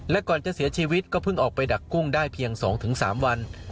และก่อนจะเสียชีวิตก็เพิ่งออกไปดักกุ้งได้เพียง๒๓วัน